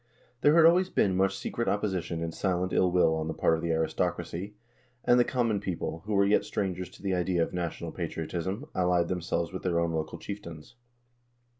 There had always been much secret opposition and silent ill will on the part of the aristocracy, and the common people, who were yet strangers to the idea of national patriotism, allied themselves with their own local chieftains.